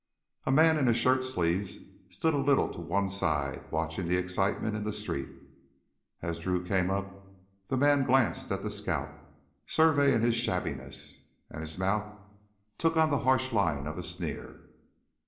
A man in his shirt sleeves stood a little to one side watching the excitement in the street. As Drew came up the man glanced at the scout, surveying his shabbiness, and his mouth took on the harsh line of a sneer.